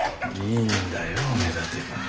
いいんだよ目立てば。